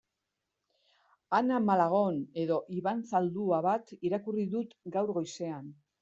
Ana Malagon edo Iban Zaldua bat irakurri dut gaur goizean.